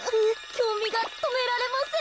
きょうみがとめられません。